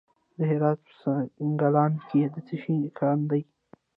د هرات په سنګلان کې د څه شي کان دی؟